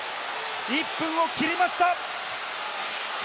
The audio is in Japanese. １分を切りました。